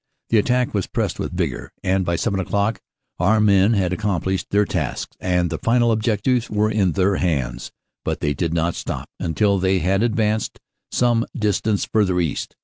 The attack was pressed with vigor, and by seven o clock our men had accom plished their tasks and the final objectives were in their hands, but they did not stop until they had advanced some distance further east.